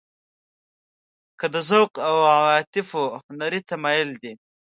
که د ذوق او عواطفو هنري تمایل دی.